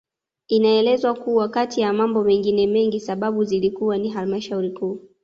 Inaelezwa kuwa kati ya mambo mengine mengi sababu zilikuwa ni halmashauri Kuu